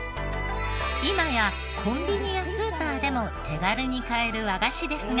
今やコンビニやスーパーでも手軽に買える和菓子ですが。